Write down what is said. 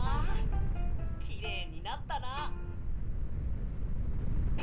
きれいになったな！